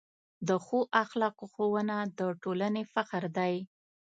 د ښو اخلاقو ښوونه د ټولنې فخر دی.